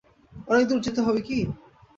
অনেক দূর যেতে হবে কি?